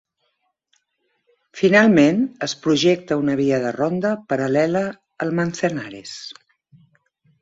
Finalment, es projecta una via de ronda paral·lela al Manzanares.